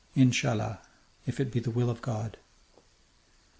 "In cha 'llah. If it be the will of God."